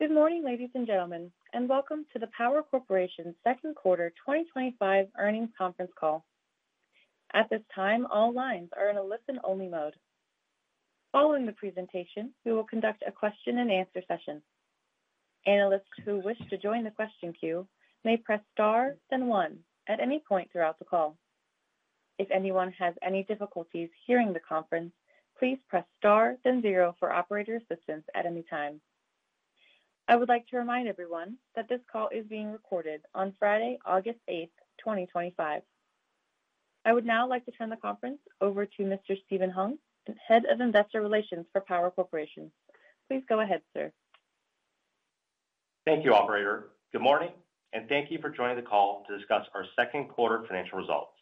Good morning, ladies and gentlemen, and welcome to the Power Corporation of Canada's second quarter 2025 earnings conference call. At this time, all lines are in a listen-only mode. Following the presentation, we will conduct a question-and-answer session. Analysts who wish to join the question queue may press star, then one at any point throughout the call. If anyone has any difficulties hearing the conference, please press star, then zero for operator assistance at any time. I would like to remind everyone that this call is being recorded on Friday, August 8, 2025. I would now like to turn the conference over to Mr. Steven Hung, Head of Investor Relations for Power Corporation of Canada. Please go ahead, sir. Thank you, operator. Good morning, and thank you for joining the call to discuss our second quarter financial results.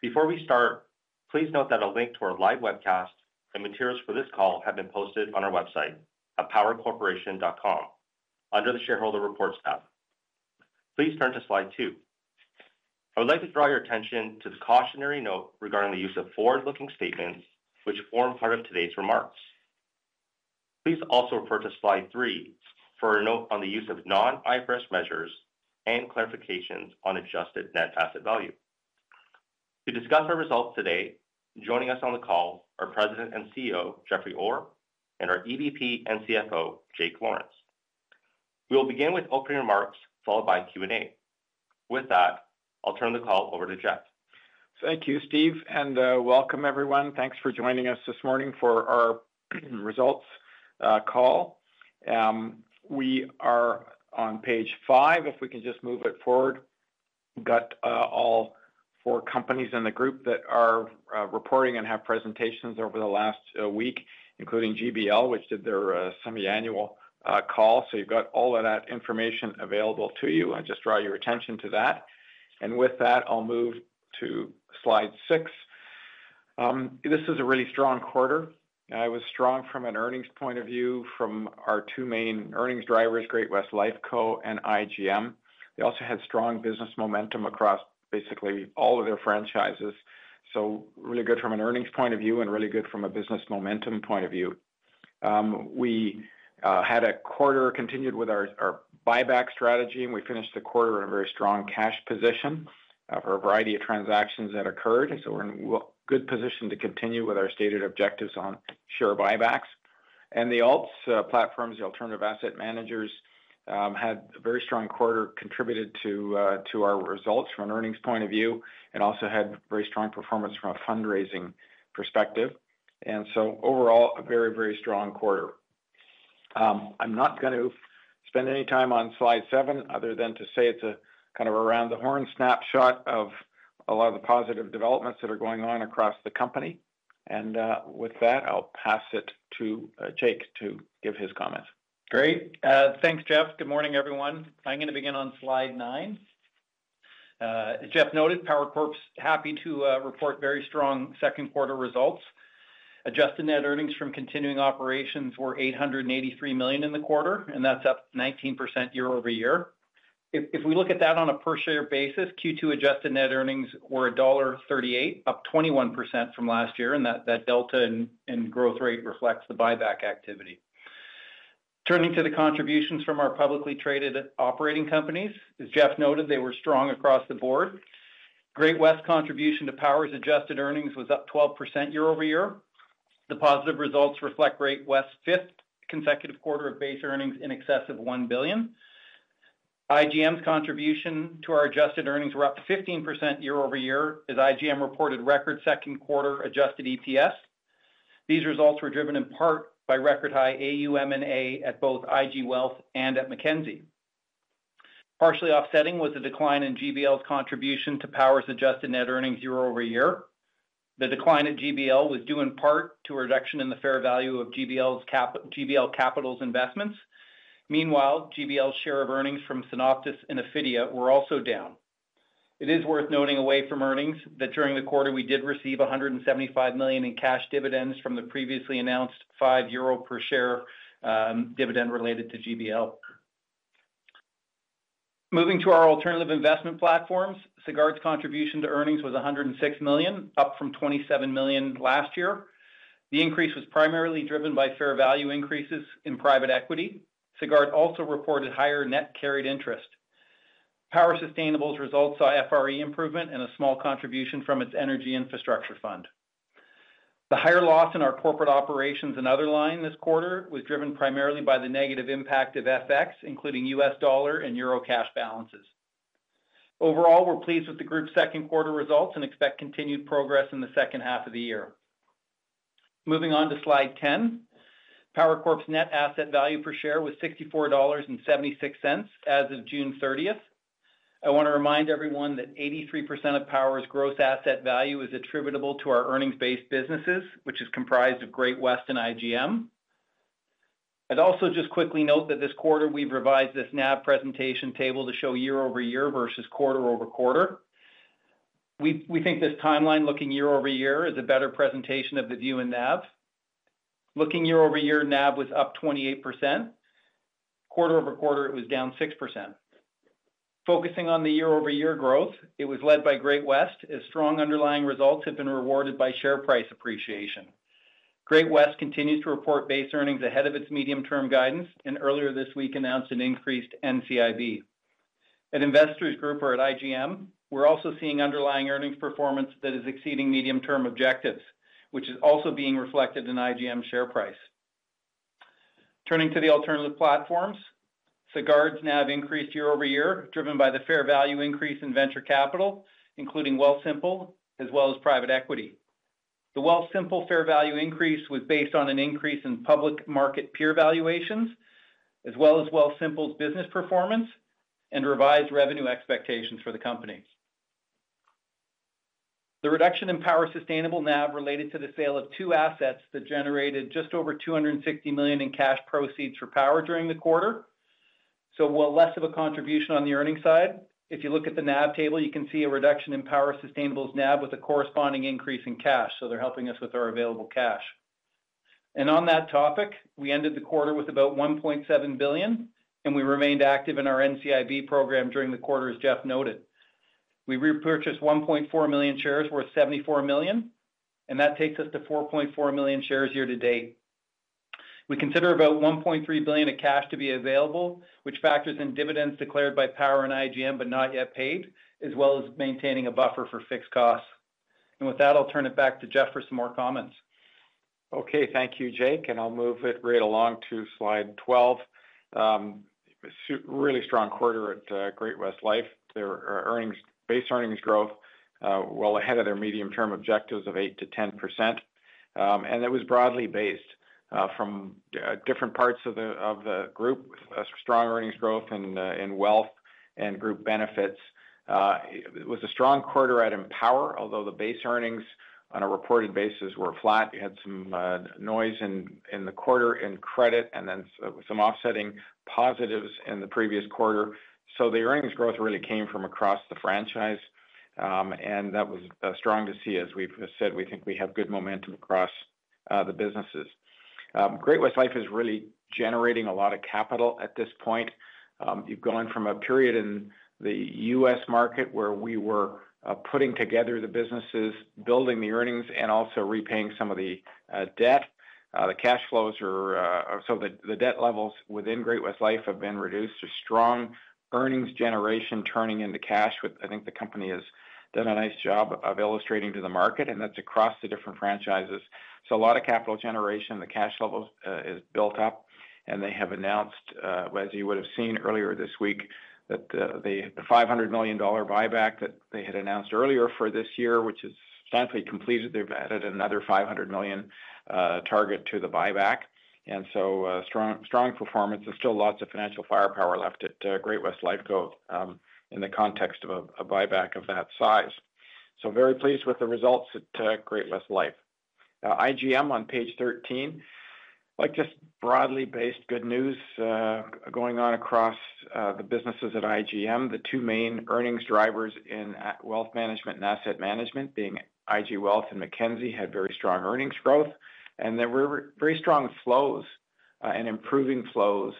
Before we start, please note that a link to our live webcast and materials for this call have been posted on our website at powercorporation.com under the Shareholder Reports tab. Please turn to slide two. I would like to draw your attention to the cautionary note regarding the use of forward-looking statements, which form part of today's remarks. Please also refer to slide three for a note on the use of non-IFRS measures and clarifications on adjusted net asset value. To discuss our results today, joining us on the call are President and CEO Jeffrey Orr and our EVP and CFO, Jake Lawrence. We will begin with opening remarks followed by Q&A. With that, I'll turn the call over to Jeff. Thank you, Steven, and welcome everyone. Thanks for joining us this morning for our results call. We are on page five. If we can just move it forward, we've got all four companies in the group that are reporting and have presentations over the last week, including GBL, which did their semi-annual call. You've got all of that information available to you. I just draw your attention to that. With that, I'll move to slide six. This is a really strong quarter. It was strong from an earnings point of view from our two main earnings drivers, Great-West Lifeco and IGM Financial. They also had strong business momentum across basically all of their franchises. Really good from an earnings point of view and really good from a business momentum point of view. We had a quarter continued with our buyback strategy, and we finished the quarter in a very strong cash position for a variety of transactions that occurred. We're in a good position to continue with our stated objectives on share buybacks. The alternative asset management platforms had a very strong quarter, contributed to our results from an earnings point of view, and also had very strong performance from a fundraising perspective. Overall, a very, very strong quarter. I'm not going to spend any time on slide seven other than to say it's a kind of a round-the-horn snapshot of a lot of the positive developments that are going on across the company. With that, I'll pass it to Jake to give his comments. Great. Thanks, Jeff. Good morning, everyone. I'm going to begin on slide nine. As Jeff noted, Power Corporation of Canada is happy to report very strong second quarter results. Adjusted net earnings from continuing operations were 883 million in the quarter, and that's up 19% year-over-year. If we look at that on a per share basis, Q2 adjusted net earnings were dollar 1.38, up 21% from last year, and that delta in growth rate reflects the buyback activity. Turning to the contributions from our publicly traded operating companies, as Jeff noted, they were strong across the board. Great-West Lifeco's contribution to Power's adjusted earnings was up 12% year-over-year. The positive results reflect Great-West Lifeco's fifth consecutive quarter of base earnings in excess of 1 billion. IGM Financial's contribution to our adjusted earnings was up 15% year-over-year, as IGM Financial reported record second quarter adjusted EPS. These results were driven in part by record high AUM/A at both IG Wealth and at Mackenzie Investments. Partially offsetting was the decline in GBL's contribution to Power's adjusted net earnings year-over-year. The decline at GBL was due in part to a reduction in the fair value of GBL Capital's investments. Meanwhile, GBL's share of earnings from Synopsys and IFFI were also down. It is worth noting away from earnings that during the quarter we did receive 175 million in cash dividends from the previously announced 5 euro per share dividend related to GBL. Moving to our alternative investment platforms, Sagard's contribution to earnings was 106 million, up from 27 million last year. The increase was primarily driven by fair value increases in private equity. Sagard also reported higher net carried interest. Power Sustainable's results saw FRE improvement and a small contribution from its energy infrastructure fund. The higher loss in our corporate operations and other line this quarter was driven primarily by the negative impact of FX, including U.S. dollar and euro cash balances. Overall, we're pleased with the group's second quarter results and expect continued progress in the second half of the year. Moving on to slide ten, Power Corporation of Canada's net asset value per share was 64.76 dollars as of June 30th. I want to remind everyone that 83% of Power's gross asset value is attributable to our earnings-based businesses, which is comprised of Great-West Lifeco and IGM Financial. I'd also just quickly note that this quarter we've revised this NAV presentation table to show year-over-year versus quarter-over-quarter. We think this timeline looking year-over-year is a better presentation of the view in NAV. Looking year-over-year, NAV was up 28%. Quarter-over-quarter, it was down 6%. Focusing on the year-over-year growth, it was led by Great-West Lifeco, as strong underlying results have been rewarded by share price appreciation. Great-West Lifeco continues to report base earnings ahead of its medium-term guidance and earlier this week announced an increased NCIB. At IG Wealth or at IGM Financial, we're also seeing underlying earnings performance that is exceeding medium-term objectives, which is also being reflected in IGM Financial's share price. Turning to the alternative platforms, Sagard's NAV increased year-over-year, driven by the fair value increase in venture capital, including Wealthsimple, as well as private equity. The Wealthsimple fair value increase was based on an increase in public market peer valuations, as well as Wealthsimple's business performance and revised revenue expectations for the companies. The reduction in Power Sustainable NAV related to the sale of two assets that generated just over 260 million in cash proceeds for Power Corporation of Canada during the quarter. There will be less of a contribution on the earnings side. If you look at the NAV table, you can see a reduction in Power Sustainable's NAV with a corresponding increase in cash. They are helping us with our available cash. On that topic, we ended the quarter with about 1.7 billion, and we remained active in our NCIB program during the quarter, as Jeff noted. We repurchased 1.4 million shares worth 74 million, and that takes us to 4.4 million shares year to date. We consider about 1.3 billion of cash to be available, which factors in dividends declared by Power Corporation of Canada and IGM Financial, but not yet paid, as well as maintaining a buffer for fixed costs. With that, I'll turn it back to Jeff for some more comments. Okay, thank you, Jake, and I'll move it right along to slide 12. Really strong quarter at Great-West Lifeco. Their base earnings growth well ahead of their medium-term objectives of 8%-10%. It was broadly based from different parts of the group with strong earnings growth in wealth and group benefits. It was a strong quarter out in Power, although the base earnings on a reported basis were flat. You had some noise in the quarter in credit and then some offsetting positives in the previous quarter. The earnings growth really came from across the franchise, and that was strong to see. As we've said, we think we have good momentum across the businesses. Great-West Lifeco is really generating a lot of capital at this point. You've gone from a period in the U.S. market where we were putting together the businesses, building the earnings, and also repaying some of the debt. The cash flows are, so the debt levels within Great-West Lifeco have been reduced to strong earnings generation turning into cash, which I think the company has done a nice job of illustrating to the market, and that's across the different franchises. A lot of capital generation, the cash level is built up, and they have announced, as you would have seen earlier this week, that the 500 million dollar buyback that they had announced earlier for this year, which is not completed, they've added another 500 million target to the buyback. Strong performance and still lots of financial firepower left at Great-West Lifeco in the context of a buyback of that size. I'm very pleased with the results at Great-West Lifeco. IGM on page 13, just broadly based good news going on across the businesses at IGM. The two main earnings drivers in wealth management and asset management being IG Wealth and Mackenzie Investments had very strong earnings growth, and there were very strong flows and improving flows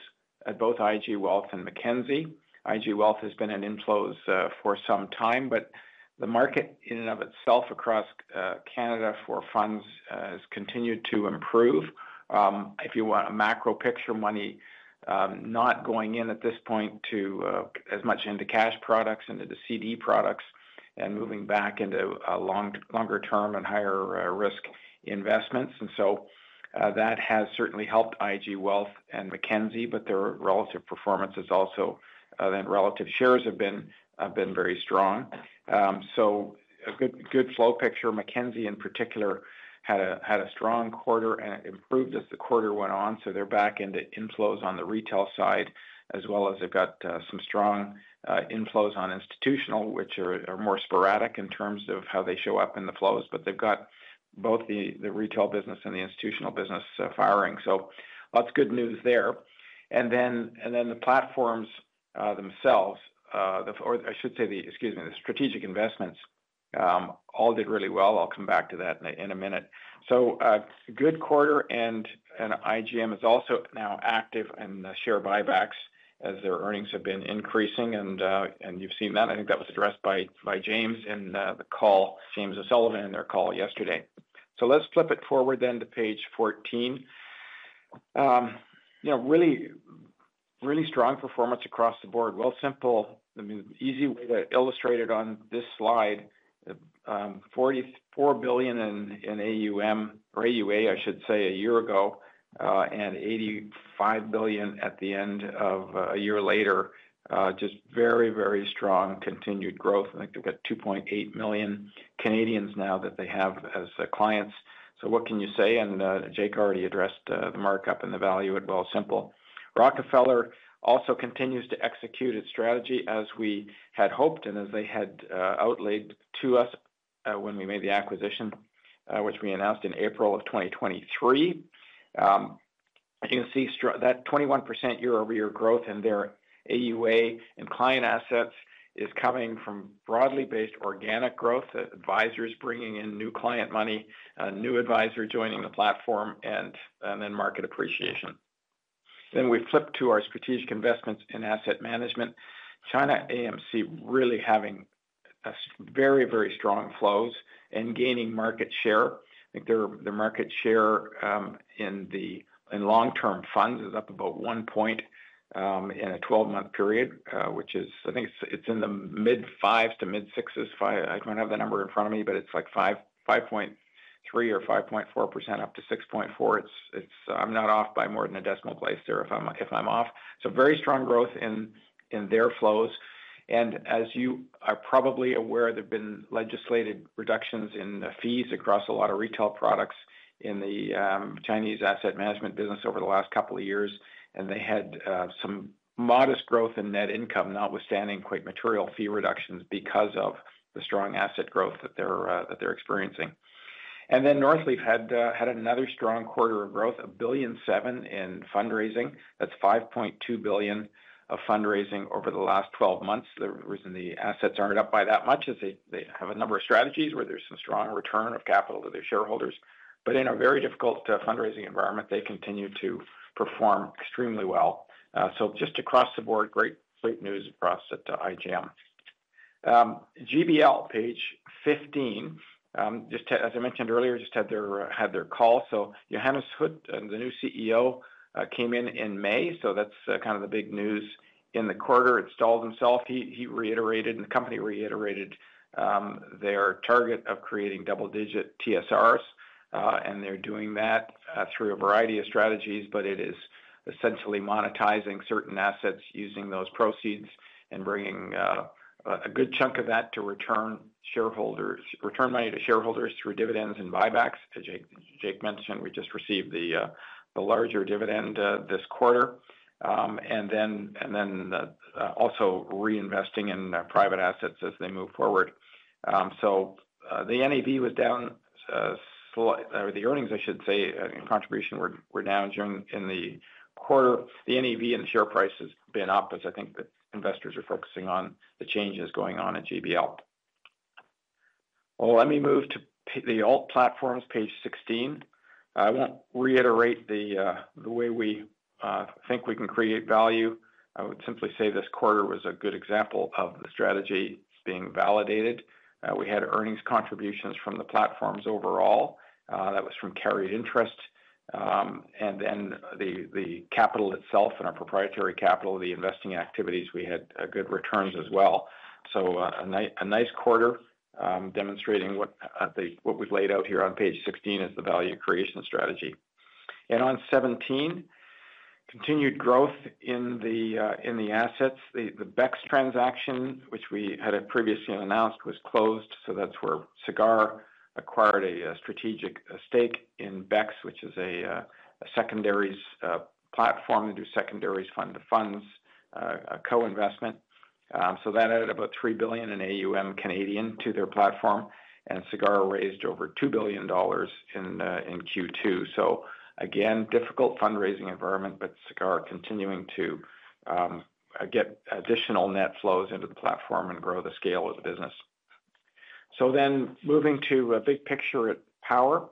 at both IG Wealth and Mackenzie Investments. IG Wealth has been in inflows for some time, but the market in and of itself across Canada for funds has continued to improve. If you want a macro picture, money not going in at this point as much into cash products and into CD products and moving back into longer term and higher risk investments. That has certainly helped IG Wealth and Mackenzie Investments, but their relative performance has also been, relative shares have been very strong. A good flow picture. Mackenzie Investments in particular had a strong quarter and it improved as the quarter went on. They're back into inflows on the retail side, as well as they've got some strong inflows on institutional, which are more sporadic in terms of how they show up in the flows. They've got both the retail business and the institutional business firing. Lots of good news there. The platforms themselves, or I should say the strategic investments, all did really well. I'll come back to that in a minute. A good quarter, and IGM is also now active in the share buybacks as their earnings have been increasing. You've seen that. I think that was addressed by James in the call, James O'Sullivan in their call yesterday. Let's flip it forward then to page 14. Really, really strong performance across the board. Wealthsimple, easy way to illustrate it on this slide, 44 billion in AUA a year ago, and 85 billion at the end of a year later. Very, very strong continued growth. I think they've got 2.8 million Canadians now that they have as clients. What can you say? Jake already addressed the markup and the value at Wealthsimple. Rockefeller also continues to execute its strategy as we had hoped and as they had outlaid to us when we made the acquisition, which we announced in April of 2023. You can see that 21% year-over-year growth in their AUA and client assets is coming from broadly based organic growth. Advisors bringing in new client money, a new advisor joining the platform, and market appreciation. We flip to our strategic investments in asset management. China AMC really having very, very strong flows and gaining market share. I think their market share in the long-term funds is up about one point in a 12-month period, which is, I think it's in the mid-fives to mid-sixes. I don't have the number in front of me, but it's like 5.3% or 5.4% up to 6.4%. I'm not off by more than a decimal place there if I'm off. Very strong growth in their flows. As you are probably aware, there have been legislated reductions in fees across a lot of retail products in the Chinese asset management business over the last couple of years. They had some modest growth in net income, notwithstanding quite material fee reductions because of the strong asset growth that they're experiencing. Northleaf had another strong quarter of growth, 1.7 billion in fundraising. That's 5.2 billion of fundraising over the last 12 months. The reason the assets aren't up by that much is they have a number of strategies where there's some strong return of capital to their shareholders. In a very difficult fundraising environment, they continue to perform extremely well. Just across the board, great news across at IGM. GBL page 15, just as I mentioned earlier, just had their call. Johannes Huth and the new CEO came in in May. That's kind of the big news in the quarter. Installed himself. He reiterated, and the company reiterated their target of creating double-digit TSRs. They're doing that through a variety of strategies, but it is essentially monetizing certain assets using those proceeds and bringing a good chunk of that to return money to shareholders through dividends and buybacks. As Jake mentioned, we just received the larger dividend this quarter and also reinvesting in private assets as they move forward. The NAV was down, or the earnings, I should say, contribution were down during the quarter. The NAV and share price has been up as I think the investors are focusing on the changes going on at GBL. Let me move to the alt platforms, page 16. I won't reiterate the way we think we can create value. I would simply say this quarter was a good example of the strategy being validated. We had earnings contributions from the platforms overall. That was from carried interest. The capital itself and our proprietary capital, the investing activities, we had good returns as well. A nice quarter demonstrating what we've laid out here on page 16 is the value creation strategy. On 17, continued growth in the assets. The BEX transaction, which we had previously announced, was closed. That's where Sagard acquired a strategic stake in BEX, which is a secondaries platform to do secondaries fund-of-funds, a co-investment. That added about 3 billion in AUM Canadian to their platform. Sagard raised over 2 billion dollars in Q2. Again, difficult fundraising environment, but Sagard continuing to get additional net flows into the platform and grow the scale of the business. Moving to a big picture at Power,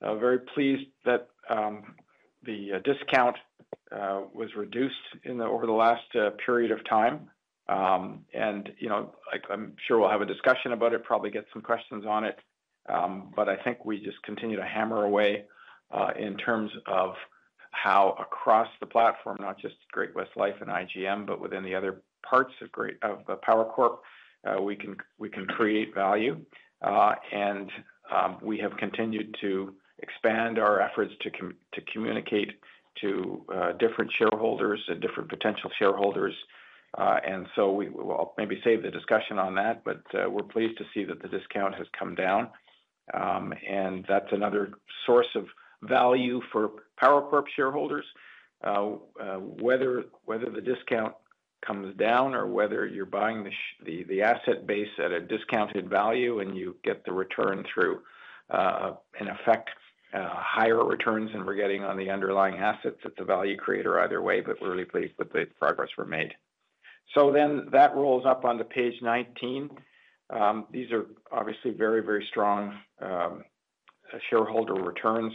very pleased that the discount was reduced over the last period of time. I'm sure we'll have a discussion about it, probably get some questions on it. I think we just continue to hammer away in terms of how across the platform, not just Great-West Lifeco and IGM Financial, but within the other parts of Power Corporation of Canada, we can create value. We have continued to expand our efforts to communicate to different shareholders and different potential shareholders. We will maybe save the discussion on that, but we're pleased to see that the discount has come down. That is another source of value for Power Corporation of Canada shareholders. Whether the discount comes down or whether you're buying the asset base at a discounted value and you get the return through, in effect, higher returns than we're getting on the underlying assets, that is the value creator either way, but really pleased with the progress we've made. That rolls up onto page 19. These are obviously very, very strong shareholder returns.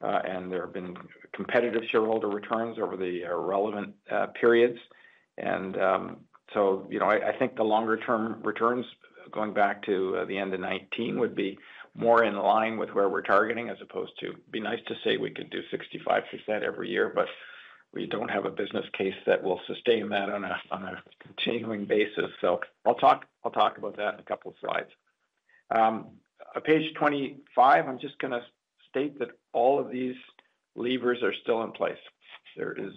There have been competitive shareholder returns over the relevant periods. I think the longer-term returns going back to the end of 2019 would be more in line with where we're targeting as opposed to, it'd be nice to say we could do 65% every year, but we don't have a business case that will sustain that on a continuing basis. I'll talk about that in a couple of slides. Page 25, I'm just going to state that all of these levers are still in place. There is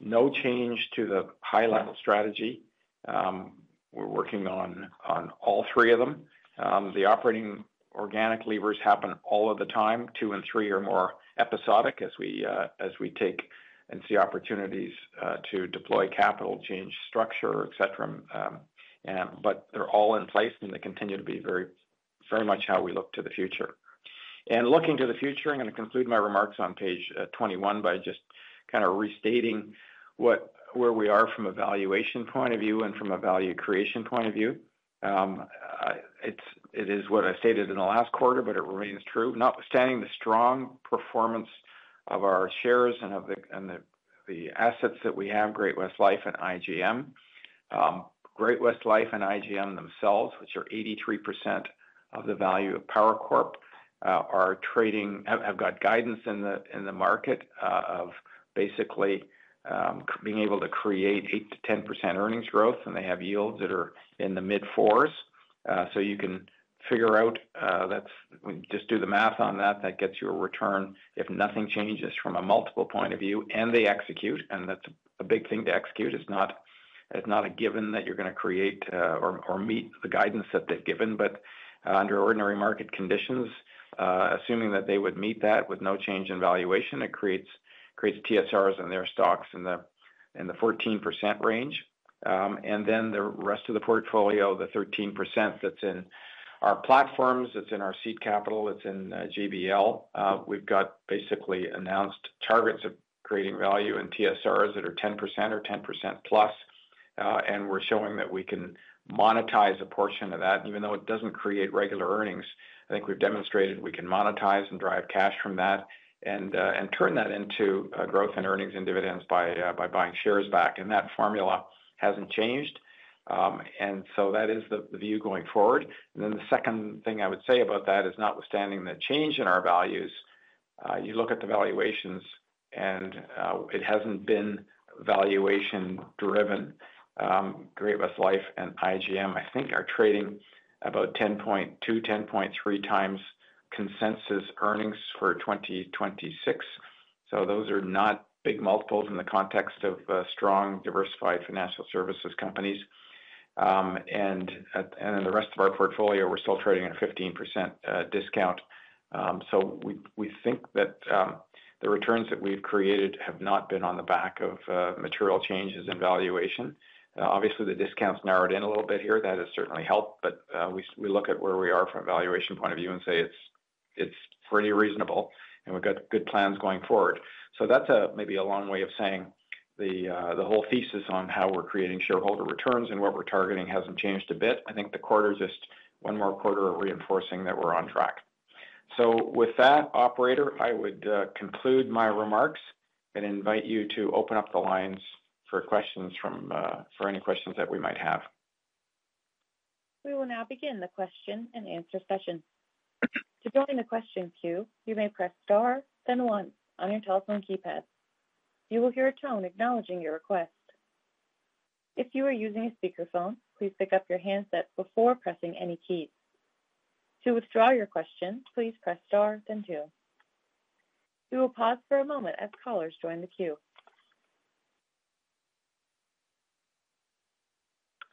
no change to the high-level strategy. We're working on all three of them. The operating organic levers happen all of the time. Two and three are more episodic as we take and see opportunities to deploy capital, change structure, et cetera. They're all in place and they continue to be very, very much how we look to the future. Looking to the future, I'm going to conclude my remarks on page 21 by just kind of restating where we are from a valuation point of view and from a value creation point of view. It is what I stated in the last quarter, but it remains true, notwithstanding the strong performance of our shares and the assets that we have, Great-West Lifeco and IGM Financial. Great-West Lifeco and IGM Financial themselves, which are 83% of the value of Power Corporation of Canada, have got guidance in the market of basically being able to create 8%-10% earnings growth, and they have yields that are in the mid 4s. You can figure out, just do the math on that, that gets you a return if nothing changes from a multiple point of view, and they execute. That's a big thing to execute. It's not a given that you're going to create or meet the guidance that they've given. Under ordinary market conditions, assuming that they would meet that with no change in valuation, it creates TSRs in their stocks in the 14% range. The rest of the portfolio, the 13% that's in our platforms, that's in our seed capital, that's in GBL, we've got basically announced targets of creating value in TSRs that are 10% or 10%+. We're showing that we can monetize a portion of that. Even though it doesn't create regular earnings, I think we've demonstrated we can monetize and drive cash from that and turn that into growth and earnings and dividends by buying shares back. That formula hasn't changed. That is the view going forward. The second thing I would say about that is notwithstanding the change in our values, you look at the valuations and it hasn't been valuation driven. Great-West Lifeco and IGM Financial, I think, are trading about 10.2x, 10.3x consensus earnings for 2026. Those are not big multiples in the context of strong diversified financial services companies. In the rest of our portfolio, we're still trading at a 15% discount. We think that the returns that we've created have not been on the back of material changes in valuation. Obviously, the discount's narrowed in a little bit here. That has certainly helped, but we look at where we are from a valuation point of view and say it's pretty reasonable and we've got good plans going forward. That's maybe a long way of saying the whole thesis on how we're creating shareholder returns and what we're targeting hasn't changed a bit. I think the quarter is just one more quarter reinforcing that we're on track. With that, operator, I would conclude my remarks and invite you to open up the lines for questions for any questions that we might have. We will now begin the question and answer session. To join the question queue, you may press star, then one on your telephone keypad. You will hear a tone acknowledging your request. If you are using a speakerphone, please pick up your handset before pressing any key. To withdraw your question, please press star, then two. We will pause for a moment as callers join the queue.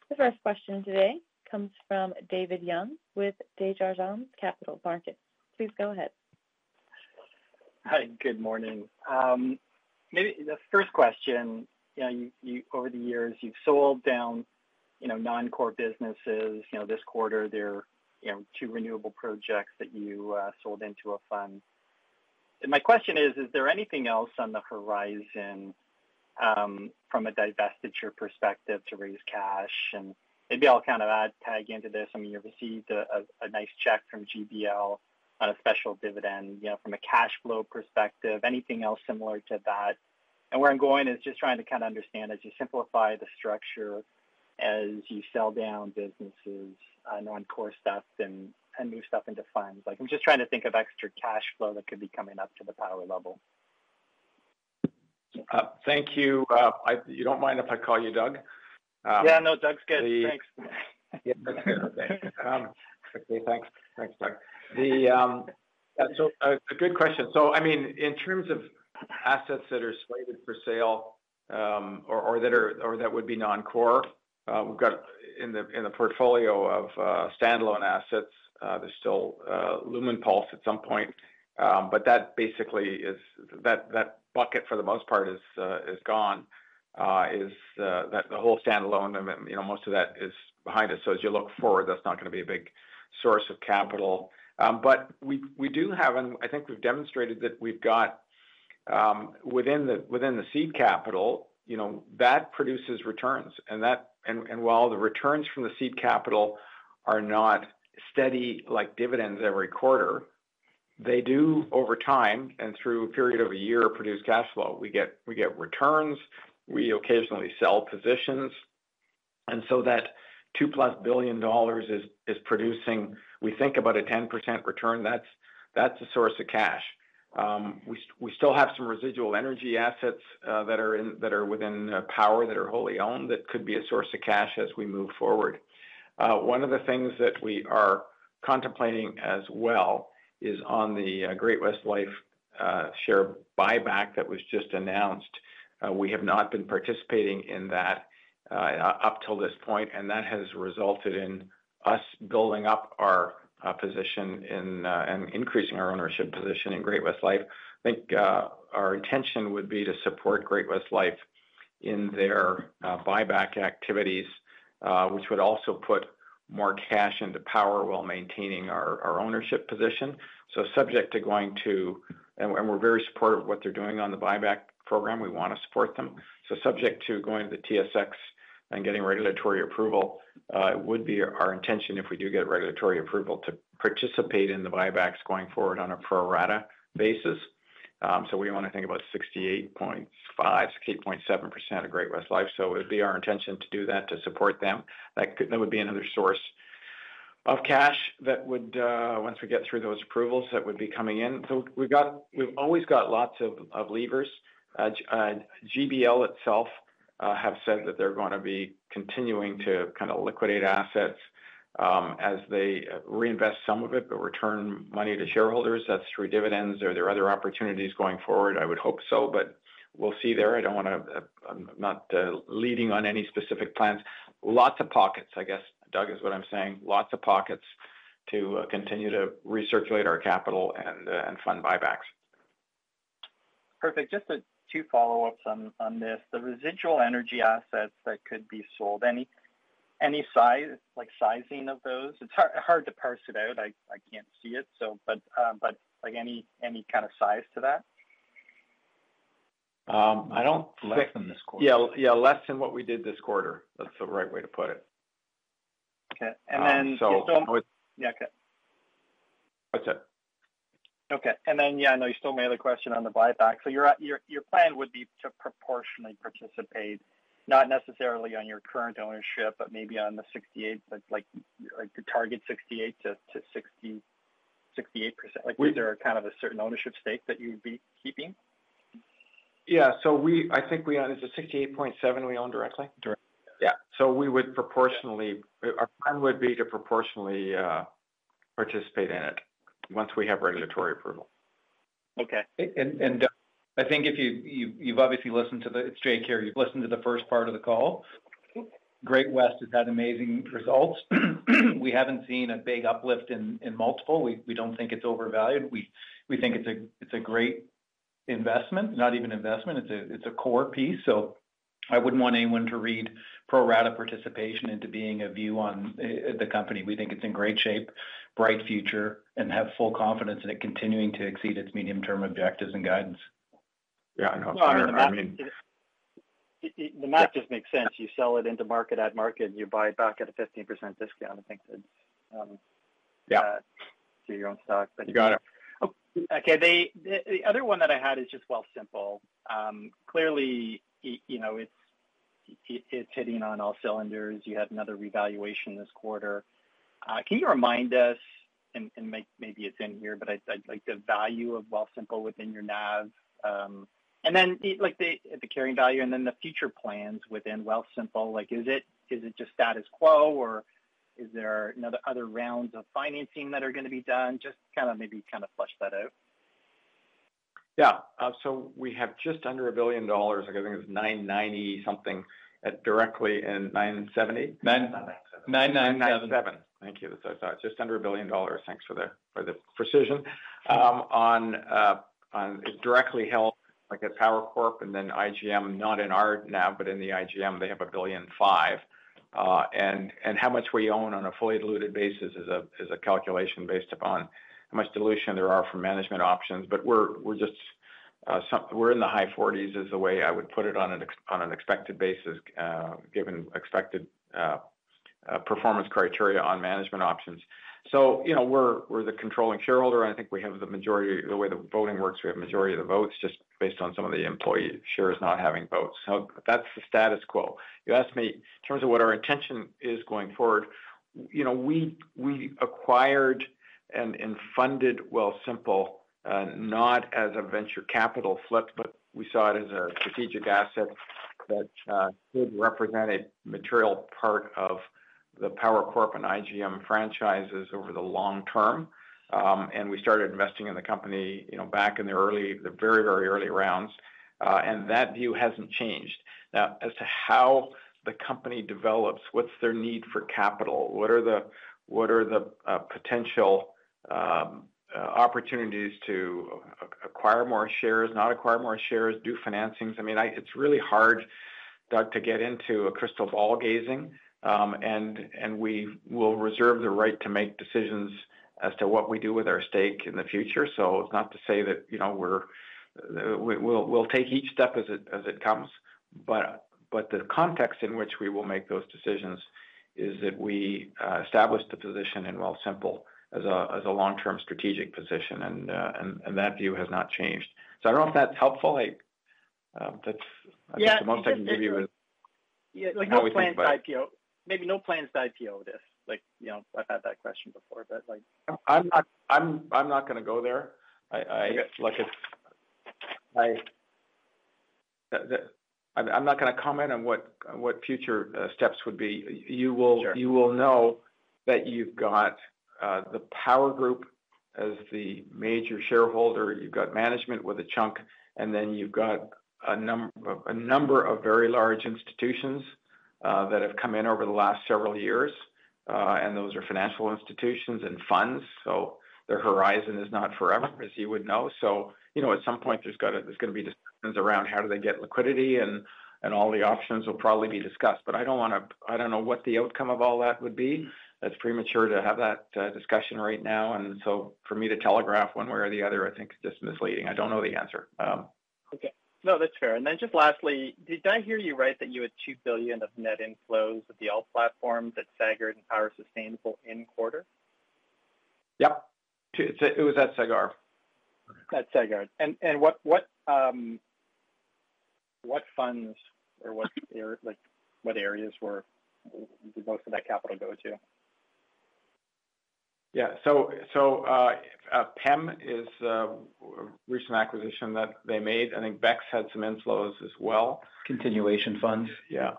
The first question today comes from David Young with Desjardins Capital Markets. Please go ahead. Hi, good morning. Maybe the first question, over the years, you've sold down non-core businesses. This quarter, there are two renewable projects that you sold into a fund. My question is, is there anything else on the horizon from a divestiture perspective to raise cash? Maybe I'll kind of add tag into this. You've received a nice check from GBL on a special dividend, from a cash flow perspective. Anything else similar to that? Where I'm going is just trying to kind of understand, as you simplify the structure, as you sell down businesses, non-core stuff, and new stuff into funds. I'm just trying to think of extra cash flow that could be coming up to the Power level. Thank you. You don't mind if I call you Doug? Yeah, no, Doug's good. Thanks. Okay, thanks. Thanks, Doug. Good question. In terms of assets that are slated for sale or that would be non-core, we've got in the portfolio of standalone assets, there's still Lumenpulse at some point. That basically is that bucket for the most part is gone. The whole standalone, most of that is behind us. As you look forward, that's not going to be a big source of capital. We do have, and I think we've demonstrated that we've got within the seed capital, that produces returns. While the returns from the seed capital are not steady like dividends every quarter, they do over time and through a period of a year produce cash flow. We get returns. We occasionally sell positions. That CAD2+ billion is producing, we think, about a 10% return. That's a source of cash. We still have some residual energy assets that are within Power that are wholly owned that could be a source of cash as we move forward. One of the things that we are contemplating as well is on the Great-West Lifeco share buyback that was just announced. We have not been participating in that up till this point, and that has resulted in us building up our position and increasing our ownership position in Great-West Lifeco. I think our intention would be to support Great-West Lifeco in their buyback activities, which would also put more cash into Power while maintaining our ownership position. Subject to going to, and we're very supportive of what they're doing on the buyback program. We want to support them. Subject to going to the TSX and getting regulatory approval, it would be our intention if we do get regulatory approval to participate in the buybacks going forward on a pro-rata basis. We want to think about 68.5%, 68.7% of Great-West Lifeco. It would be our intention to do that to support them. That would be another source of cash that would, once we get through those approvals, be coming in. We've always got lots of levers. GBL itself has said that they're going to be continuing to kind of liquidate assets as they reinvest some of it, but return money to shareholders. That's through dividends. Are there other opportunities going forward? I would hope so, but we'll see there. I'm not leading on any specific plans. Lots of pockets, I guess, Doug, is what I'm saying. Lots of pockets to continue to recirculate our capital and fund buybacks. Perfect. Just two follow-ups on this. The residual energy assets that could be sold, any size, like sizing of those, it's hard to parse it out. I can't see it. Any kind of size to that? I don't. Less than this quarter. Yeah, less than what we did this quarter. That's the right way to put it. Okay. You still. Yeah, okay. Go ahead. Okay. I know you still made the question on the buyback. Your plan would be to proportionally participate, not necessarily on your current ownership, but maybe on the 68%, like the target 68%-68%. Is there a kind of a certain ownership stake that you'd be keeping? Yeah, I think we own, is it 68.7%, directly? We would proportionally, our plan would be to proportionally participate in it once we have regulatory approval. Okay. I think if you've obviously listened to the, it's Jake here, you've listened to the first part of the call. Great-West Lifeco has had amazing results. We haven't seen a big uplift in multiple. We don't think it's overvalued. We think it's a great investment, not even investment. It's a core piece. I wouldn't want anyone to read pro-rata participation into being a view on the company. We think it's in great shape, bright future, and have full confidence in it continuing to exceed its medium-term objectives and guidance. Yeah, no, I mean, the math just makes sense. You sell it into market at market, and you buy it back at a 15% discount. I think that, yeah, to your own stock. You got it. Okay. The other one that I had is just Wealthsimple. Clearly, you know, it's hitting on all cylinders. You had another revaluation this quarter. Can you remind us, and maybe it's in here, but I'd like the value of Wealthsimple within your NAV and then like the carrying value and then the future plans within Wealthsimple. Is it just status quo or is there other rounds of financing that are going to be done? Maybe kind of flesh that out. Yeah, we have just under 1 billion dollars. I think it was 990 million something directly and 970 million. 997. Thank you. That's what I thought. Just under a billion dollars. Thanks for the precision. It directly helped, like at Power Corporation of Canada and then IGM Financial, not in our NAV, but in the IGM, they have 1.5 billion. How much we own on a fully diluted basis is a calculation based upon how much dilution there is from management options. We're in the high 40s is the way I would put it on an expected basis, given expected performance criteria on management options. We're the controlling shareholder, and I think we have the majority, the way the voting works, we have the majority of the votes just based on some of the employees' shares not having votes. That's the status quo. You asked me in terms of what our intention is going forward. We acquired and funded Wealthsimple, not as a venture capital flip, but we saw it as a strategic asset that could represent a material part of the Power Corporation of Canada and IGM Financial franchises over the long term. We started investing in the company back in the very, very early rounds. That view hasn't changed. As to how the company develops, what's their need for capital, what are the potential opportunities to acquire more shares, not acquire more shares, do financings, it's really hard, Doug, to get into a crystal ball gazing. We will reserve the right to make decisions as to what we do with our stake in the future. It's not to say that we'll take each step as it comes. The context in which we will make those decisions is that we established the position in Wealthsimple as a long-term strategic position, and that view has not changed. I don't know if that's helpful. I think the most I can give you is. Yeah, no plans to IPO this. I've had that question before. I'm not going to go there. I'm not going to comment on what future steps would be. You will know that you've got the Power Group as the major shareholder. You've got management with a chunk, and then you've got a number of very large institutions that have come in over the last several years. Those are financial institutions and funds. Their horizon is not forever, as you would know. At some point, there's going to be discussions around how they get liquidity, and all the options will probably be discussed. I don't want to, I don't know what the outcome of all that would be. That's premature to have that discussion right now. For me to telegraph one way or the other, I think it's just misleading. I don't know the answer. Okay. No, that's fair. Just lastly, did I hear you right that you had 2 billion of net inflows with the alt platforms at Sagard and Power Sustainable in the quarter? Yep. It was at Sagard. At Sagard. What funds or what areas would most of that capital go to? Yeah. PEM is a recent acquisition that they made. I think BEX had some inflows as well. Continuation funds. Yeah,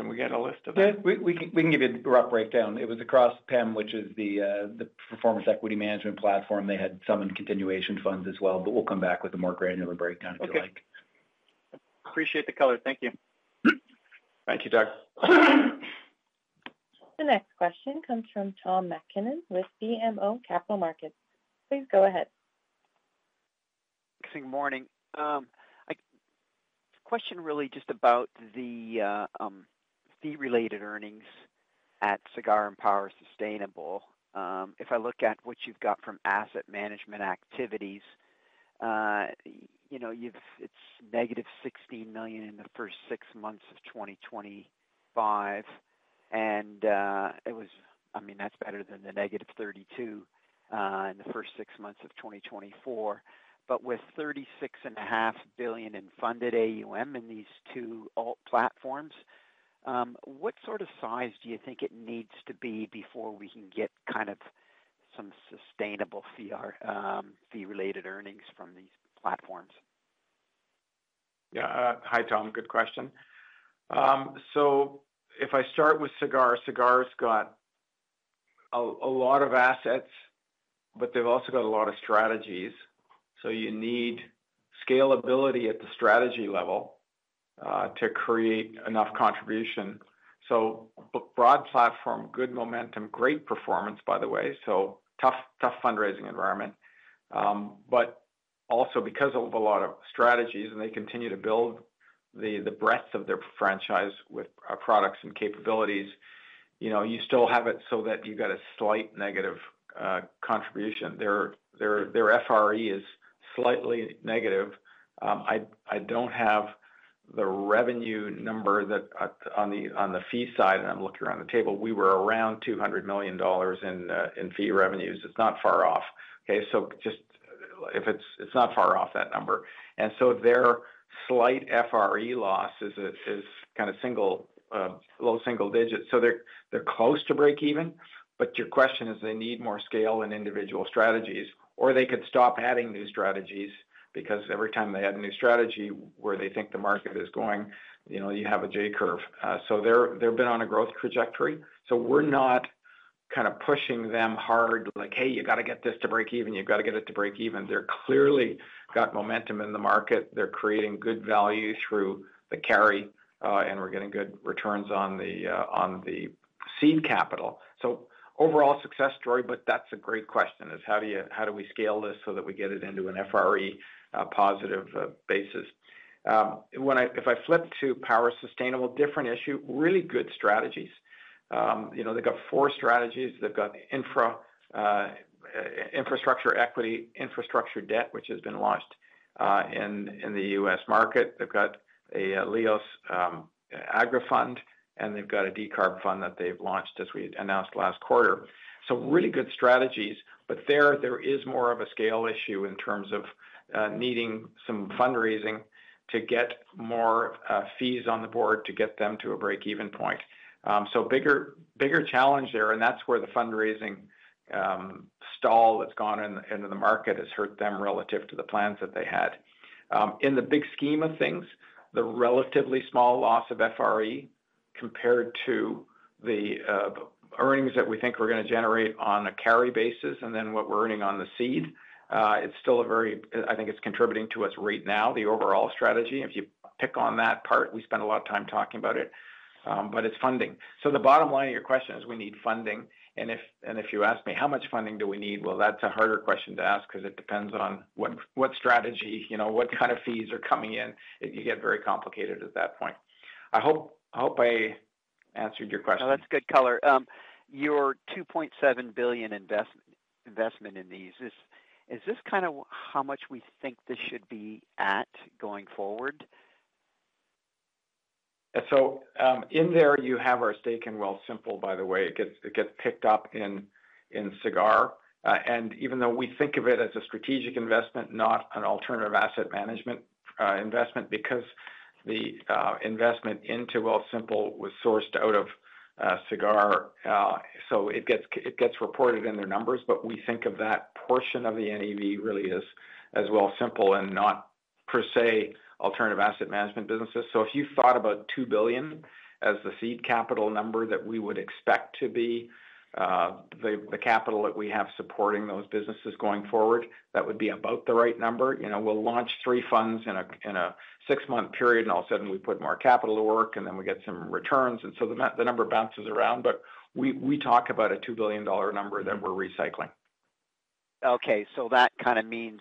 can we get a list of that? We can give you a rough breakdown. It was across Performance Equity Management, which is the Performance Equity Management platform. They had some in continuation funds as well, but we'll come back with a more granular breakdown if you like. Appreciate the color. Thank you. Thank you, Doug. The next question comes from Tom McKinnon with BMO Capital Markets. Please go ahead. Good morning. Question really just about the fee-related earnings at Sagard and Power Sustainable. If I look at what you've got from asset management activities, it's negative 16 million in the first six months of 2025. That's better than the -32 million in the first six months of 2024. With 36.5 billion in funded AUM in these two alt platforms, what sort of size do you think it needs to be before we can get kind of some sustainable fee-related earnings from these platforms? Yeah. Hi, Tom. Good question. If I start with Sagard, Sagard's got a lot of assets, but they've also got a lot of strategies. You need scalability at the strategy level to create enough contribution. Broad platform, good momentum, great performance, by the way. Tough, tough fundraising environment. Also, because of a lot of strategies and they continue to build the breadth of their franchise with products and capabilities, you still have it so that you've got a slight negative contribution. Their FRE is slightly negative. I don't have the revenue number that on the fee side, and I'm looking around the table. We were around 200 million dollars in fee revenues. It's not far off. If it's not far off that number, their slight FRE loss is kind of low single digits. They're close to break even. Your question is they need more scale in individual strategies, or they could stop adding new strategies because every time they add a new strategy where they think the market is going, you have a J curve. They've been on a growth trajectory. We're not kind of pushing them hard like, "Hey, you got to get this to break even. You've got to get it to break even." They've clearly got momentum in the market. They're creating good value through the carry, and we're getting good returns on the seed capital. Overall success story, but that's a great question: how do we scale this so that we get it into an FRE positive basis? If I flip to Power Sustainable, different issue, really good strategies. They've got four strategies. They've got infrastructure equity, infrastructure debt, which has been launched in the U.S. market. They've got a LEOS agri fund, and they've got a decarb fund that they've launched as we announced last quarter. Really good strategies, but there is more of a scale issue in terms of needing some fundraising to get more fees on the board to get them to a break even point. Bigger challenge there, and that's where the fundraising stall that's gone into the market has hurt them relative to the plans that they had. In the big scheme of things, the relatively small loss of FRE compared to the earnings that we think we're going to generate on a carry basis and then what we're earning on the seed, it's still a very, I think it's contributing to us right now, the overall strategy. If you pick on that part, we spend a lot of time talking about it, but it's funding. The bottom line of your question is we need funding. If you ask me, how much funding do we need? That's a harder question to ask because it depends on what strategy, you know, what kind of fees are coming in. It gets very complicated at that point. I hope I answered your question. No, that's a good color. Your 2.7 billion investment in these, is this kind of how much we think this should be at going forward? In there, you have our stake in Wealthsimple, by the way. It gets picked up in Sagard. Even though we think of it as a strategic investment, not an alternative asset management investment, because the investment into Wealthsimple was sourced out of Sagard, it gets reported in their numbers, but we think of that portion of the NAV really as Wealthsimple and not per se alternative asset management businesses. If you thought about 2 billion as the seed capital number that we would expect to be the capital that we have supporting those businesses going forward, that would be about the right number. We'll launch three funds in a six-month period, and all of a sudden we put more capital to work, and then we get some returns. The number bounces around, but we talk about a 2 billion dollar number that we're recycling. Okay. That kind of means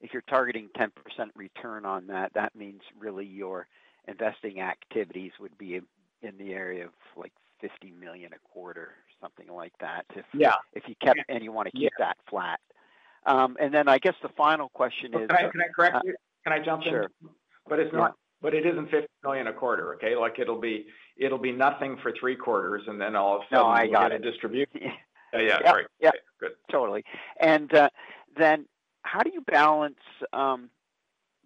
if you're targeting 10% return on that, that means really your investing activities would be in the area of 50 million a quarter, something like that, if you kept, and you want to keep that flat. I guess the final question is. Can I correct you? Can I jump in? Sure. It isn't 50 million a quarter, okay? Like it'll be nothing for three quarters, and then all of a sudden we're going to distribute. Yeah, great. Good. Totally. How do you balance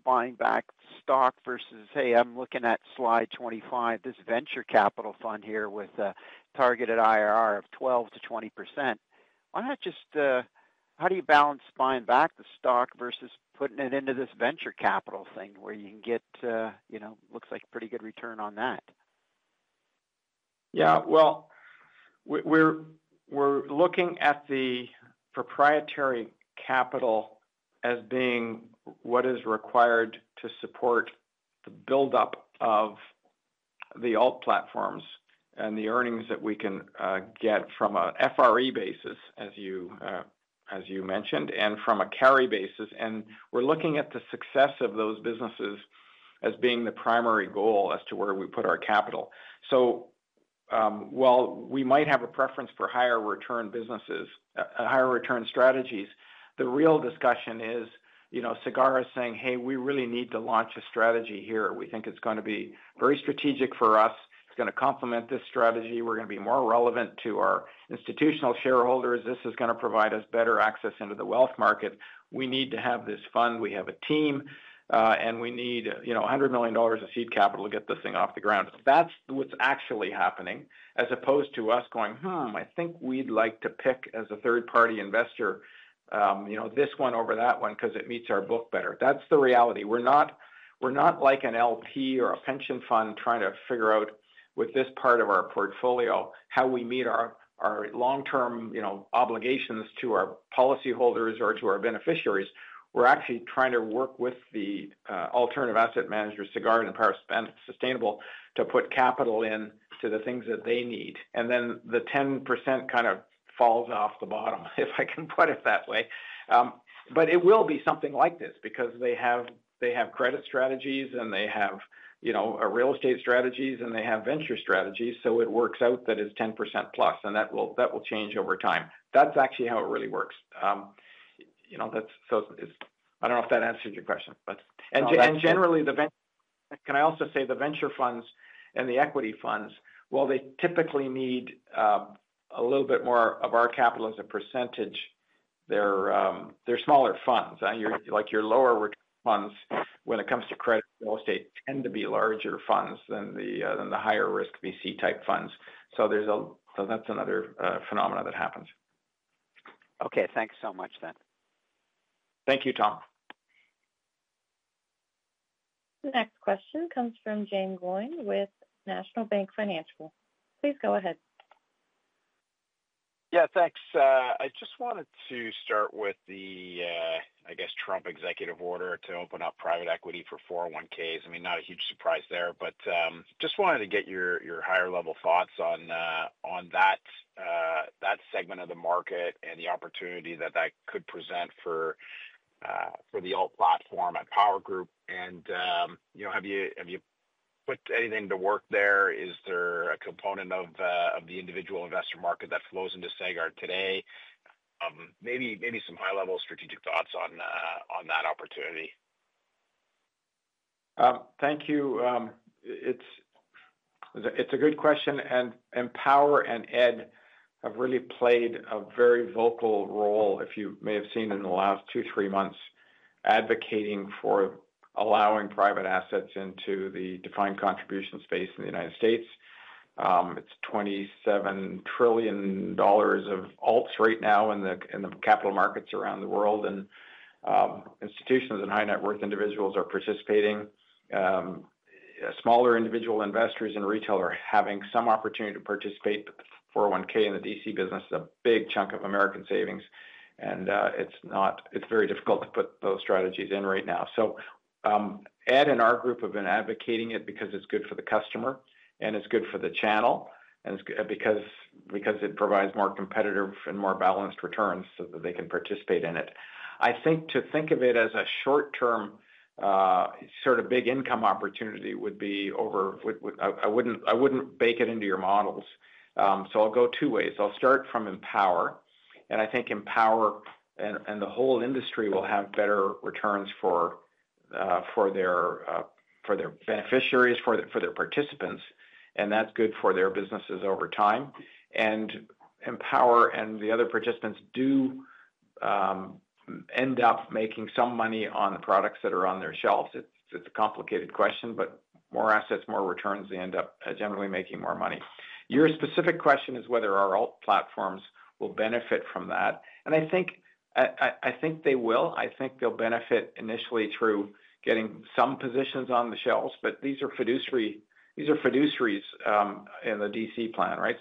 buying back stock versus, hey, I'm looking at slide 25, this venture capital fund here with a targeted IRR of 12%-20%? I'm not just, how do you balance buying back the stock versus putting it into this venture capital thing where you can get, you know, looks like a pretty good return on that? Yeah. We're looking at the proprietary capital as being what is required to support the buildup of the alt platforms and the earnings that we can get from an FRE basis, as you mentioned, and from a carry basis. We're looking at the success of those businesses as being the primary goal as to where we put our capital. While we might have a preference for higher return businesses, higher return strategies, the real discussion is, you know, Sagard is saying, "Hey, we really need to launch a strategy here. We think it's going to be very strategic for us. It's going to complement this strategy. We're going to be more relevant to our institutional shareholders. This is going to provide us better access into the wealth market. We need to have this fund. We have a team, and we need, you know, 100 million dollars of seed capital to get this thing off the ground." That's what's actually happening as opposed to us going, I think we'd like to pick as a third-party investor, you know, this one over that one because it meets our book better. That's the reality. We're not like an LP or a pension fund trying to figure out with this part of our portfolio how we meet our long-term obligations to our policyholders or to our beneficiaries. We're actually trying to work with the alternative asset managers, Sagard and Power Sustainable, to put capital into the things that they need. The 10% kind of falls off the bottom, if I can put it that way. It will be something like this because they have credit strategies and they have, you know, real estate strategies and they have venture strategies. It works out that it's 10%+, and that will change over time. That's actually how it really works. I don't know if that answers your question, but generally, the venture, can I also say the venture funds and the equity funds, well, they typically need a little bit more of our capital as a percentage. They're smaller funds. Like your lower return funds, when it comes to credit real estate, tend to be larger funds than the higher risk VC type funds. That's another phenomenon that happens. Okay, thanks so much then. Thank you, Tom. The next question comes from Jaeme Gloyn with National Bank Financial. Please go ahead. Yeah, thanks. I just wanted to start with the, I guess, Trump executive order to open up private equity for 401(k)s. Not a huge surprise there, but just wanted to get your higher-level thoughts on that segment of the market and the opportunity that that could present for the alt platform at Power Corporation of Canada. Have you put anything to work there? Is there a component of the individual investor market that flows into Sagard today? Maybe some high-level strategic thoughts on that opportunity. Thank you. It's a good question. Power and Ed have really played a very vocal role, if you may have seen in the last two to three months, advocating for allowing private assets into the defined contribution space in the United States. It's 27 trillion dollars of alts right now in the capital markets around the world. Institutions and high net worth individuals are participating. Smaller individual investors in retail are having some opportunity to participate, but the 401(k) and the DC business is a big chunk of American savings. It's very difficult to put those strategies in right now. Ed and our group have been advocating it because it's good for the customer, and it's good for the channel, and it's good because it provides more competitive and more balanced returns so that they can participate in it. I think to think of it as a short-term sort of big income opportunity would be over, I wouldn't bake it into your models. I'll go two ways. I'll start from Empower. I think Empower and the whole industry will have better returns for their beneficiaries, for their participants. That's good for their businesses over time. Empower and the other participants do end up making some money on the products that are on their shelves. It's a complicated question, but more assets, more returns, they end up generally making more money. Your specific question is whether our alt platforms will benefit from that. I think they will. I think they'll benefit initially through getting some positions on the shelves, but these are fiduciaries in the DC plan, right?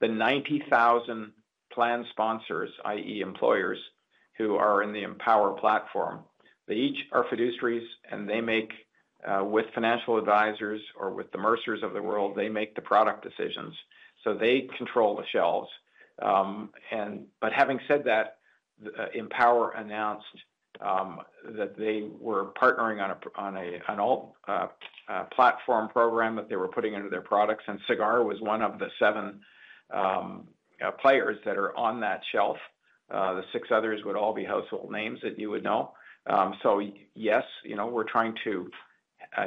The 90,000 plan sponsors, i.e. employers who are in the Empower platform, each are fiduciaries, and they make with financial advisors or with the Mercers of the world, they make the product decisions. They control the shelves. Having said that, Empower announced that they were partnering on an alt platform program that they were putting into their products. Sagard was one of the seven players that are on that shelf. The six others would all be household names that you would know. Yes, we're trying to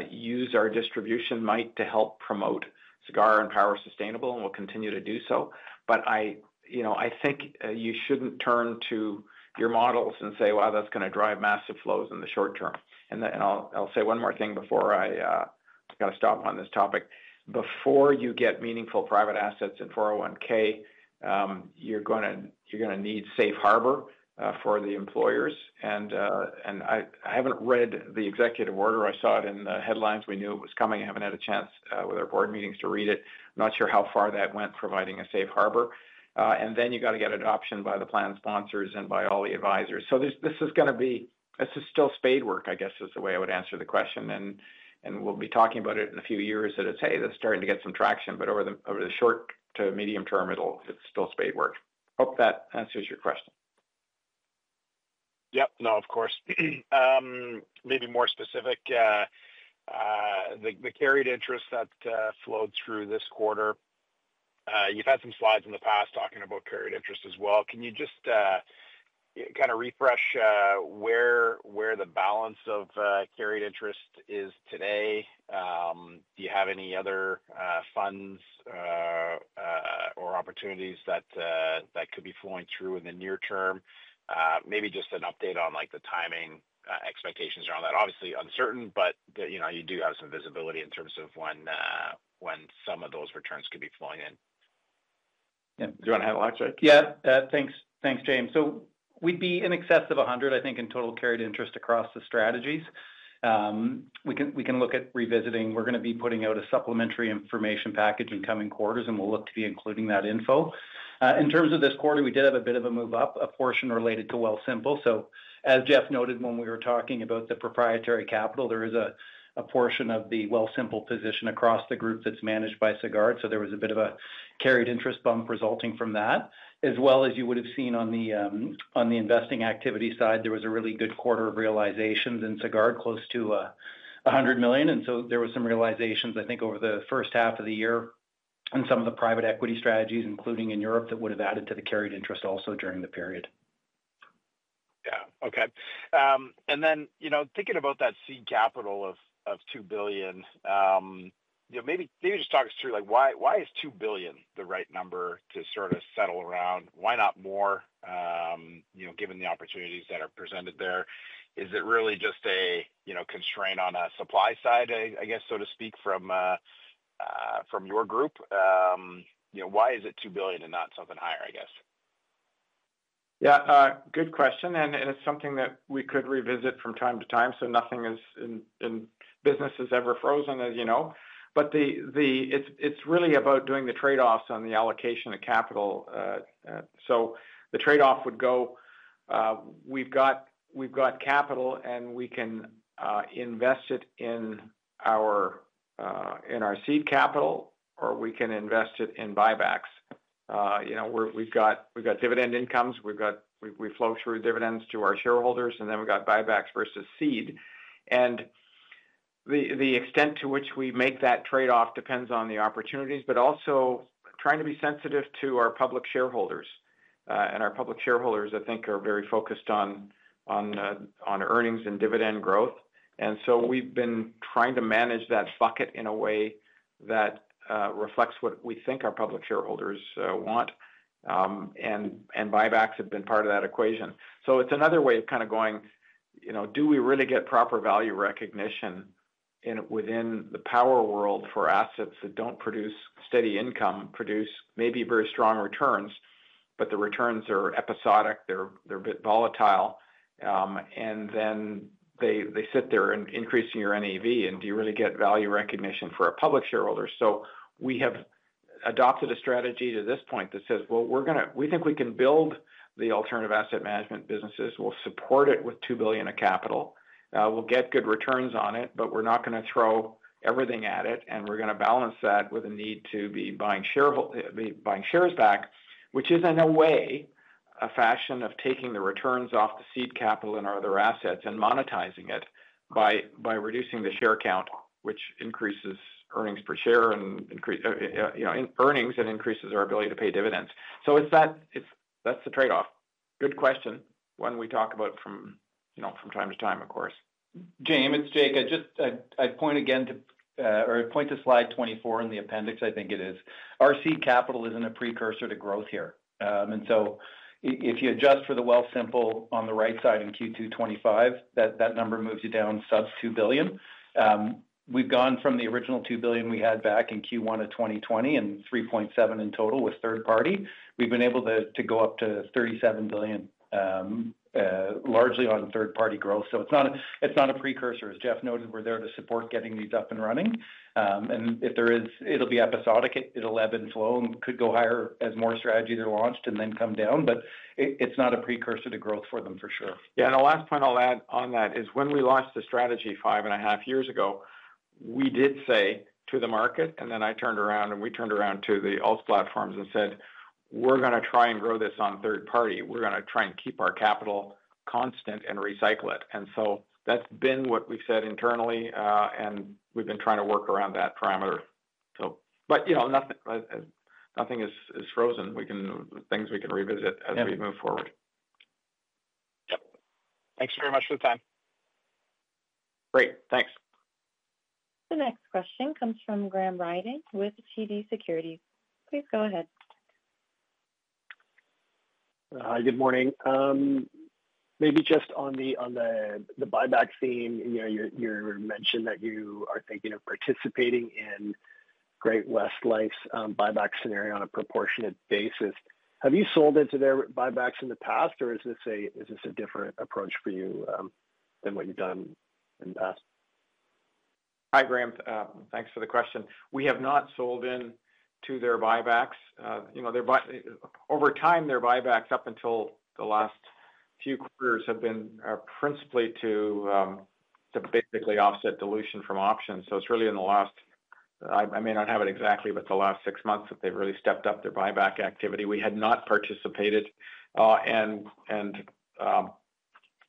use our distribution might to help promote Sagard and Power Sustainable, and we'll continue to do so. I think you shouldn't turn to your models and say, "Wow, that's going to drive massive flows in the short term." I'll say one more thing before I stop on this topic. Before you get meaningful private assets in 401(k), you're going to need safe harbor for the employers. I haven't read the executive order. I saw it in the headlines. We knew it was coming. I haven't had a chance with our board meetings to read it. I'm not sure how far that went providing a safe harbor. You have to get adoption by the plan sponsors and by all the advisors. This is still spade work, I guess, is the way I would answer the question. We'll be talking about it in a few years that it's, hey, this is starting to get some traction. Over the short to medium term, it's still spade work. Hope that answers your question. Of course. Maybe more specific, the carried interest that flowed through this quarter. You've had some slides in the past talking about carried interest as well. Can you just kind of refresh where the balance of carried interest is today? Do you have any other funds or opportunities that could be flowing through in the near term? Maybe just an update on the timing expectations around that. Obviously uncertain, but you do have some visibility in terms of when some of those returns could be flowing in. Yeah, do you want to highlight, Jake? Yeah. Thanks, thanks James. We'd be in excess of 100, I think, in total carried interest across the strategies. We can look at revisiting. We're going to be putting out a supplementary information package in coming quarters, and we'll look to be including that info. In terms of this quarter, we did have a bit of a move up, a portion related to Wealthsimple. As Jeff noted when we were talking about the proprietary capital, there is a portion of the Wealthsimple position across the group that's managed by Sagard. There was a bit of a carried interest bump resulting from that. As well as you would have seen on the investing activity side, there was a really good quarter of realizations in Sagard, close to 100 million. There were some realizations, I think, over the first half of the year in some of the private equity strategies, including in Europe, that would have added to the carried interest also during the period. Okay. Thinking about that seed capital of 2 billion, maybe just talk us through why is 2 billion the right number to sort of settle around? Why not more, given the opportunities that are presented there? Is it really just a constraint on a supply side, I guess, so to speak, from your group? Why is it 2 billion and not something higher, I guess? Yeah, good question. It's something that we could revisit from time to time. Nothing in business has ever frozen, as you know. It's really about doing the trade-offs on the allocation of capital. The trade-off would go, we've got capital, and we can invest it in our seed capital, or we can invest it in buybacks. We've got dividend incomes. We flow through dividends to our shareholders, and then we've got buybacks versus seed. The extent to which we make that trade-off depends on the opportunities, but also trying to be sensitive to our public shareholders. Our public shareholders, I think, are very focused on earnings and dividend growth. We've been trying to manage that bucket in a way that reflects what we think our public shareholders want. Buybacks have been part of that equation. It's another way of kind of going, do we really get proper value recognition within the Power Corporation of Canada world for assets that don't produce steady income, produce maybe very strong returns, but the returns are episodic, they're a bit volatile, and then they sit there and increase your NAV? Do you really get value recognition for a public shareholder? We have adopted a strategy to this point that says, we think we can build the alternative asset management businesses. We'll support it with 2 billion of capital. We'll get good returns on it, but we're not going to throw everything at it. We're going to balance that with a need to be buying shares back, which is in a way a fashion of taking the returns off the seed capital and our other assets and monetizing it by reducing the share count, which increases earnings per share and increases our ability to pay dividends. That's the trade-off. Good question. One we talk about from time to time, of course. James, it's Jake. I'd point to slide 24 in the appendix. I think it is. Our seed capital isn't a precursor to growth here. If you adjust for the Wealthsimple on the right side in Q2 2025, that number moves you down sub 2 billion. We've gone from the original 2 billion we had back in Q1 of 2020 and 3.7 billion in total with third party. We've been able to go up to 37 billion, largely on third-party growth. It's not a precursor. As Jeff noted, we're there to support getting these up and running. If there is, it'll be episodic. It'll ebb and flow and could go higher as more strategies are launched and then come down. It's not a precursor to growth for them for sure. The last point I'll add on that is when we launched the strategy five and a half years ago, we did say to the market, and then I turned around and we turned around to the alt platforms and said, we're going to try and grow this on third party. We're going to try and keep our capital constant and recycle it. That's been what we've said internally, and we've been trying to work around that parameter. You know, nothing is frozen. Things we can revisit as we move forward. Thanks very much for the time. Great. Thanks. The next question comes from Graham Ryding with TD Securities. Please go ahead. Hi, good morning. Maybe just on the buyback theme, you mentioned that you are thinking of participating in Great-West Lifeco's buyback scenario on a proportionate basis. Have you sold into their buybacks in the past, or is this a different approach for you than what you've done in the past? Hi, Graham. Thanks for the question. We have not sold into their buybacks. Over time, their buybacks up until the last few quarters have been principally to basically offset dilution from options. It's really in the last, I may not have it exactly, but the last six months that they've really stepped up their buyback activity. We had not participated, and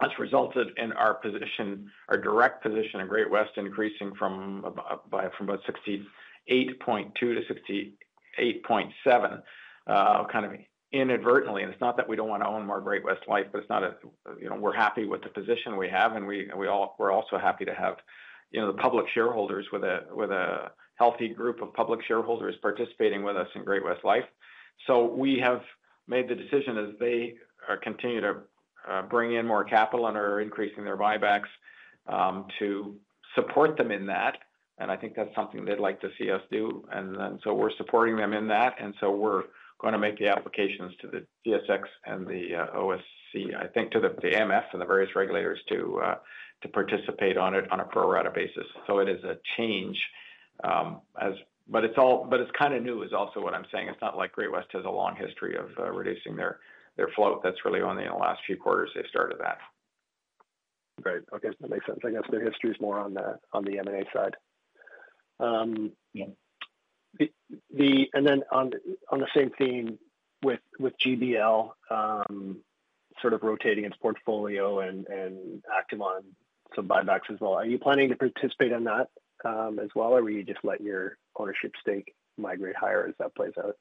it's resulted in our position, our direct position in Great-West Lifeco increasing from about 68.2%-68.7% kind of inadvertently. It's not that we don't want to own more Great-West Lifeco, but we're happy with the position we have, and we're also happy to have the public shareholders, with a healthy group of public shareholders participating with us in Great-West Lifeco. We have made the decision as they continue to bring in more capital and are increasing their buybacks to support them in that. I think that's something they'd like to see us do. We're supporting them in that, and we're going to make the applications to the TSX and the OSC, I think to the MF and the various regulators, to participate on a pro-rata basis. It is a change, but it's kind of new is also what I'm saying. It's not like Great-West Lifeco has a long history of reducing their float. That's really only in the last few quarters they've started that. Great. Okay. That makes sense. I think that's good history, more on the M&A side. On the same theme, with GBL sort of rotating its portfolio and active on some buybacks as well, are you planning to participate in that as well, or will you just let your ownership stake migrate higher as that plays out?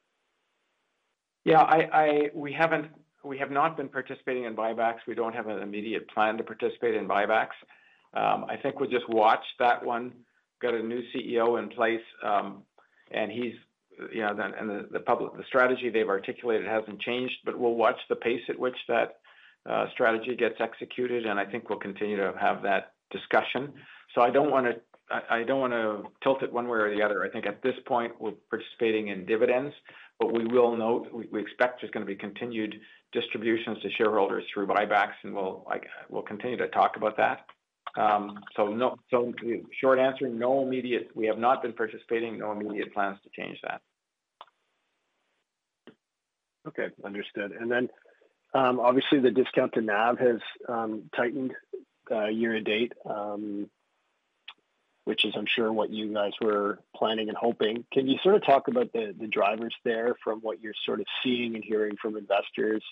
Yeah, we have not been participating in buybacks. We don't have an immediate plan to participate in buybacks. I think we'll just watch that one. We've got a new CEO in place, and he's, you know, and the strategy they've articulated hasn't changed, but we'll watch the pace at which that strategy gets executed. I think we'll continue to have that discussion. I don't want to tilt it one way or the other. I think at this point, we're participating in dividends, but we will note we expect there's going to be continued distributions to shareholders through buybacks, and we'll continue to talk about that. No immediate, we have not been participating, no immediate plans to change that. Okay, understood. Obviously, the discount to NAV has tightened year to date, which is I'm sure what you guys were planning and hoping. Can you sort of talk about the drivers there from what you're sort of seeing and hearing from investors?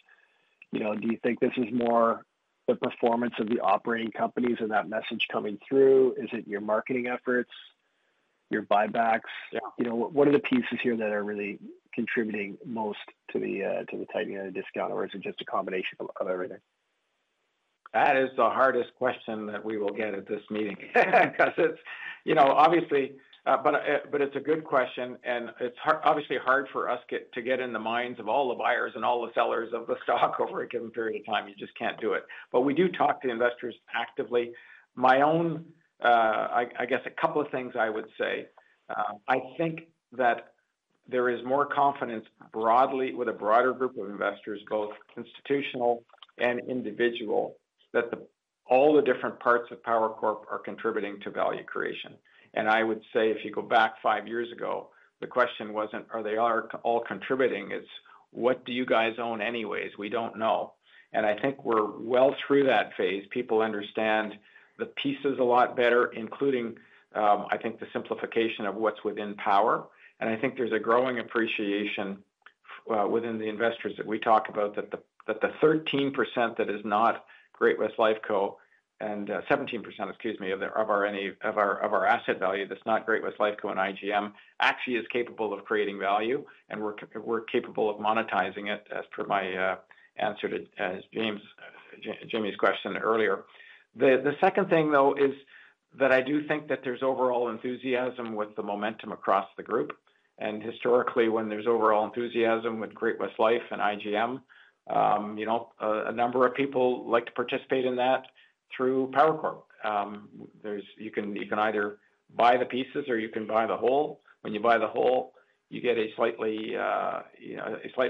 Do you think this is more the performance of the operating companies and that message coming through? Is it your marketing efforts, your buybacks? What are the pieces here that are really contributing most to the tightening of the discount, or is it just a combination of everything? That is the hardest question that we will get at this meeting because it's, you know, obviously, but it's a good question. It's obviously hard for us to get in the minds of all the buyers and all the sellers of the stock over a given period of time. You just can't do it. We do talk to investors actively. My own, I guess a couple of things I would say. I think that there is more confidence broadly with a broader group of investors, both institutional and individual, that all the different parts of Power Corporation of Canada are contributing to value creation. I would say if you go back five years ago, the question wasn't, are they all contributing? It's, what do you guys own anyways? We don't know. I think we're well through that phase. People understand the pieces a lot better, including, I think, the simplification of what's within Power. I think there's a growing appreciation within the investors that we talk about that the 13% that is not Great-West Lifeco and 17%, excuse me, of our asset value that's not Great-West Lifeco and IGM Financial actually is capable of creating value, and we're capable of monetizing it as per my answer to Jamie's question earlier. The second thing is that I do think that there's overall enthusiasm with the momentum across the group. Historically, when there's overall enthusiasm with Great-West Lifeco and IGM Financial, a number of people like to participate in that through Power Corporation of Canada. You can either buy the pieces or you can buy the whole. When you buy the whole, you get a slightly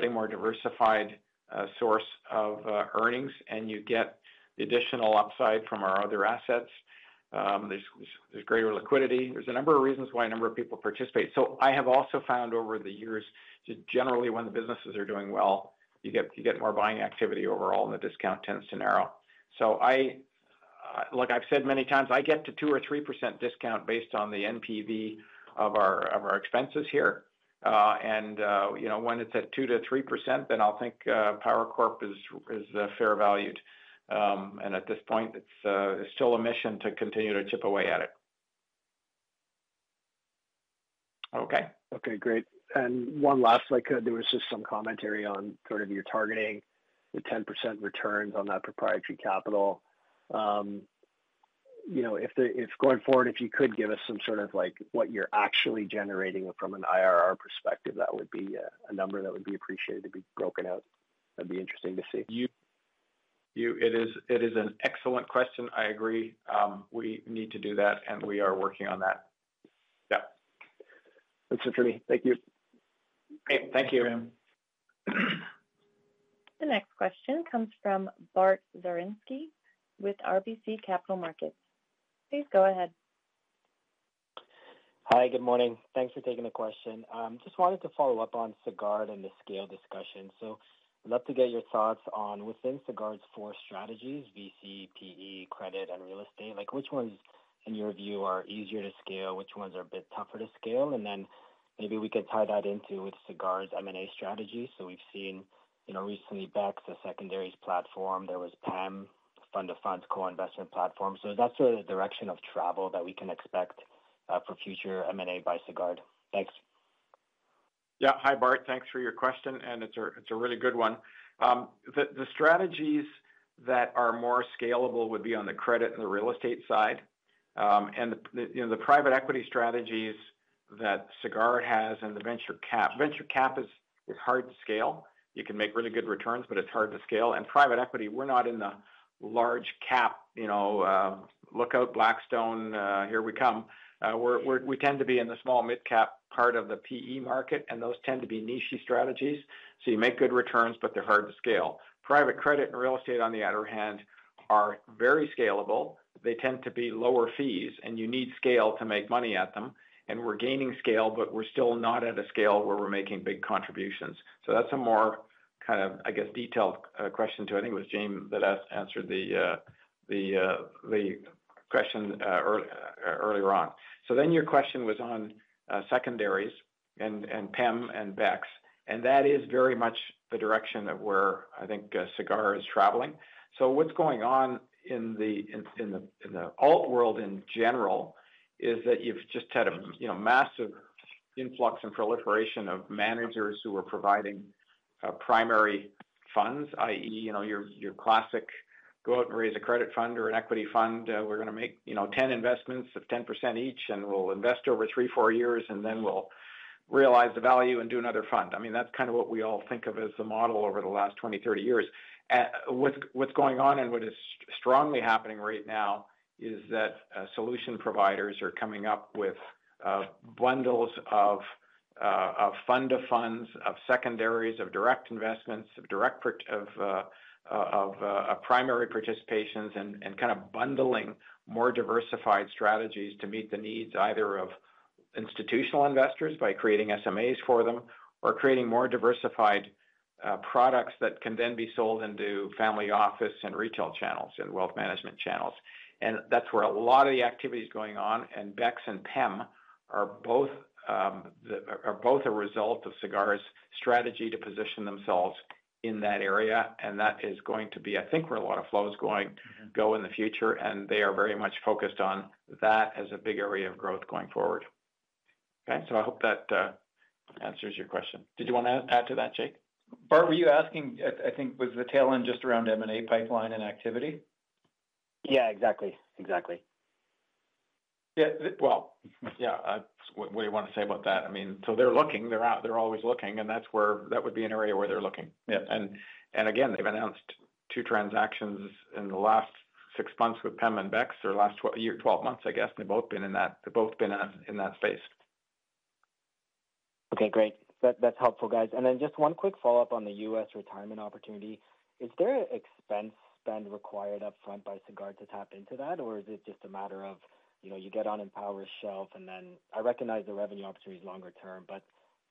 more diversified source of earnings, and you get the additional upside from our other assets. There's greater liquidity. There are a number of reasons why a number of people participate. I have also found over the years that generally when the businesses are doing well, you get more buying activity overall, and the discount tends to narrow. Like I've said many times, I get to 2%-3% discount based on the NPV of our expenses here. When it's at 2%-3%, then I'll think Power Corporation of Canada is fair valued. At this point, it's still a mission to continue to chip away at it. Okay, great. One last, there was just some commentary on your targeting the 10% returns on that proprietary capital. If going forward, you could give us some sort of what you're actually generating from an IRR perspective, that would be a number that would be appreciated to be broken out. That'd be interesting to see. It is an excellent question. I agree. We need to do that, and we are working on that. Yeah, that's it for me. Thank you. Hey, thank you, Graham. The next question comes from Bart Zerinski with RBC Capital Markets. Please go ahead. Hi, good morning. Thanks for taking the question. Just wanted to follow up on Sagard and the scale discussion. I'd love to get your thoughts on within Sagard's four strategies: VC, PE, credit, and real estate. Which ones, in your view, are easier to scale, which ones are a bit tougher to scale? Maybe we can tie that into Sagard's M&A strategy. We've seen recently BEX, the secondaries platform. There was PEM, fund-of-funds, co-investment platform. Is that sort of the direction of travel that we can expect for future M&A by Sagard? Thanks. Yeah. Hi, Bart. Thanks for your question, and it's a really good one. The strategies that are more scalable would be on the credit and the real estate side. The private equity strategies that Sagard has and the venture cap, venture cap is hard to scale. You can make really good returns, but it's hard to scale. Private equity, we're not in the large cap, you know, look out Blackstone, here we come. We tend to be in the small mid-cap part of the PE market, and those tend to be niche strategies. You make good returns, but they're hard to scale. Private credit and real estate, on the other hand, are very scalable. They tend to be lower fees, and you need scale to make money at them. We're gaining scale, but we're still not at a scale where we're making big contributions. That's a more kind of, I guess, detailed question too. I think it was Jane that answered the question earlier on. Your question was on secondaries and Performance Equity Management and BEX. That is very much the direction of where I think Sagard is traveling. What's going on in the alt world in general is that you've just had a massive influx and proliferation of managers who are providing primary funds, i.e., you know, your classic go out and raise a credit fund or an equity fund. We're going to make, you know, 10 investments of 10% each, and we'll invest over three, four years, and then we'll realize the value and do another fund. That's kind of what we all think of as the model over the last 20, 30 years. What's going on and what is strongly happening right now is that solution providers are coming up with bundles of fund-of-funds, of secondaries, of direct investments, of direct primary participations, and kind of bundling more diversified strategies to meet the needs either of institutional investors by creating SMAs for them or creating more diversified products that can then be sold into family office and retail channels and wealth management channels. That's where a lot of the activity is going on. BEX and Performance Equity Management are both a result of Sagard's strategy to position themselves in that area. That is going to be, I think, where a lot of flows go in the future. They are very much focused on that as a big area of growth going forward. Okay. I hope that answers your question. Did you want to add to that, Jake? Bart, were you asking, I think, was the tail end just around M&A pipeline and activity? Yeah, exactly. Exactly. Yeah. What do you want to say about that? I mean, they're looking. They're out. They're always looking. That's where that would be an area where they're looking. They've announced two transactions in the last six months with Performance Equity Management and BEX, or last year, 12 months, I guess. They've both been in that space. Okay, great. That's helpful, guys. Just one quick follow-up on the U.S. retirement opportunity. Is there an expense spend required upfront by Sagard to tap into that, or is it just a matter of, you know, you get on Empower's shelf and then I recognize the revenue opportunity is longer term, but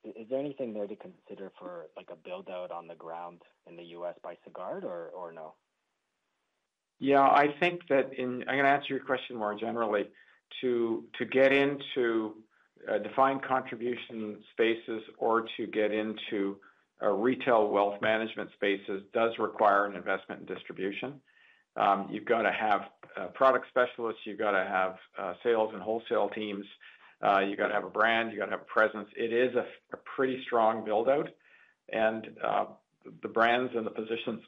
is there anything there to consider for like a build-out on the ground in the U.S. by Sagard or no? Yeah, I think that I'm going to answer your question more generally. To get into defined contribution spaces or to get into retail wealth management spaces does require an investment in distribution. You've got to have product specialists. You've got to have sales and wholesale teams. You've got to have a brand. You've got to have a presence. It is a pretty strong build-out. The brands and the positions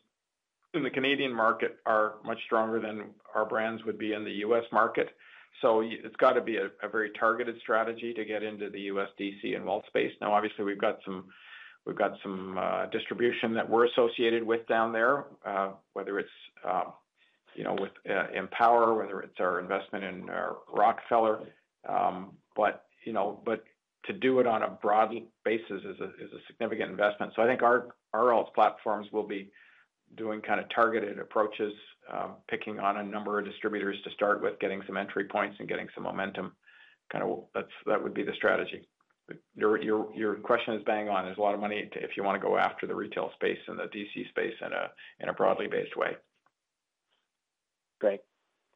in the Canadian market are much stronger than our brands would be in the U.S. market. It has to be a very targeted strategy to get into the U.S. DC and wealth space. Obviously, we've got some distribution that we're associated with down there, whether it's with Empower, whether it's our investment in Rockefeller. To do it on a broad basis is a significant investment. I think our alt platforms will be doing kind of targeted approaches, picking on a number of distributors to start with, getting some entry points and getting some momentum. That would be the strategy. Your question is bang on. There's a lot of money if you want to go after the retail space and the DC space in a broadly based way. Great.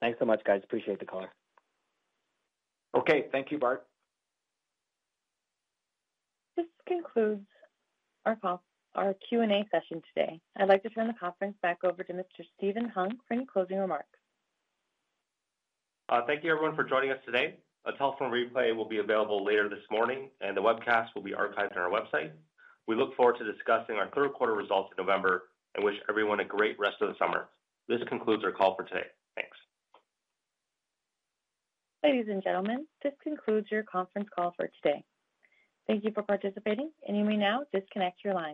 Thanks so much, guys. Appreciate the color. Okay. Thank you, Bart. This concludes our call, our Q&A session today. I'd like to turn the conference back over to Mr. Steven Hung for any closing remarks. Thank you, everyone, for joining us today. A telephone replay will be available later this morning, and the webcast will be archived on our website. We look forward to discussing our third quarter results in November and wish everyone a great rest of the summer. This concludes our call for today. Thanks. Ladies and gentlemen, this concludes your conference call for today. Thank you for participating, and you may now disconnect your line.